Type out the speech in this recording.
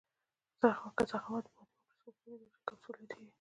که ضخامت یې په عادي مایکروسکوپ ولیدل شي کپسول یادیږي.